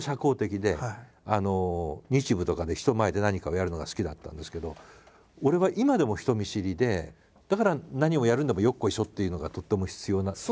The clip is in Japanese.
日舞とかで人前で何かをやるのが好きだったんですけど俺は今でも人見知りでだから何をやるんでもよっこいしょっていうのがとっても必要な。